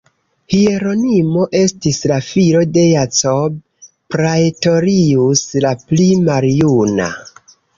Hieronimo estis la filo de Jacob Praetorius la pli maljuna.